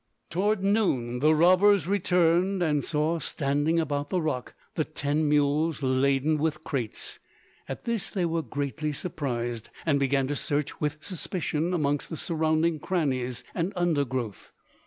Toward noon the robbers returned, and saw, standing about the rock, the ten mules laden with crates. At this they were greatly surprised, and began to search with suspicion amongst the surrounding crannies and undergrowth.